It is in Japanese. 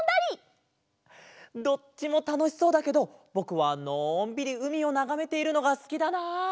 どっちもたのしそうだけどぼくはのんびりうみをながめているのがすきだな。